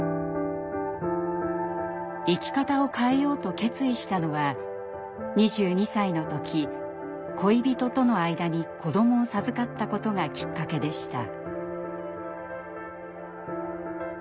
生き方を変えようと決意したのは２２歳の時恋人との間に子どもを授かったことがきっかけでした。